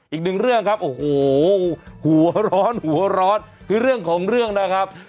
อีกหนึ่งเรื่องครับโอ้โหหัวร้อนหัวร้อนคือเรื่องของเรื่องนะครับ